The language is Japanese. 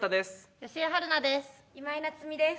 吉江晴菜です。